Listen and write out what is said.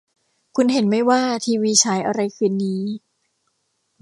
คุณเห็นมั้ยว่าทีวีฉายอะไรคืนนี้